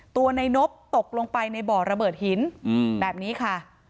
ตัวในนบตกลงไปในบ่อระเบิดหินแบบนี้ค่ะ